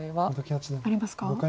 ありますか？